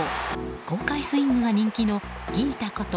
豪快スイングが人気のギータこと